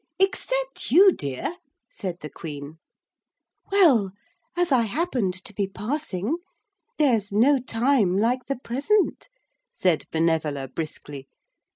'Except you, dear,' said the Queen. 'Well, as I happened to be passing ... there's no time like the present,' said Benevola briskly.